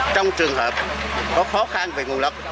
trong trường hợp có khó khăn về ngu lập